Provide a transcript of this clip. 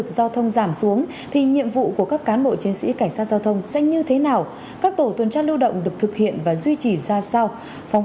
giao thông thì mình phải nhận được giao thông